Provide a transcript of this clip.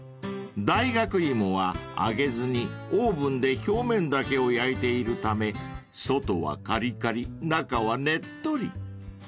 ［大学芋は揚げずにオーブンで表面だけを焼いているため外はかりかり中はねっとり］